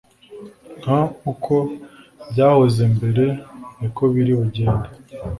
nk uko byahoze mbere niko biri bugende